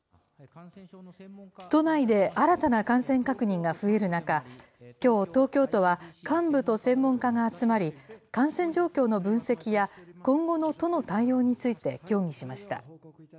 都内で新たな感染確認が増える中、きょう、東京都は幹部と専門家が集まり、感染状況の分析や今後の都の対応について協議しました。